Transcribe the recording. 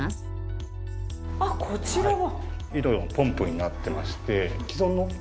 あっこちらは？